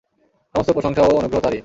সমস্ত প্রশংসা ও অনুগ্রহ তাঁরই।